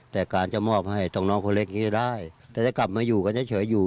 แต่การจะมอบให้ต้องน้องคนเล็กนี้ได้แต่จะกลับมาอยู่กันเฉยอยู่